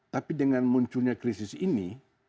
tapi dengan munculnya krisis ini